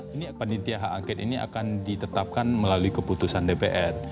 ini panitia hak angket ini akan ditetapkan melalui keputusan dpr